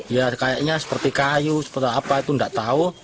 ya kayaknya seperti kayu seperti apa itu enggak tahu